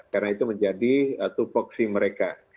karena itu menjadi tufoksi mereka